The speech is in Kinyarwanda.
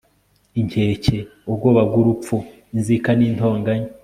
inkeke, ubwoba bw'urupfu, inzika n'intonganya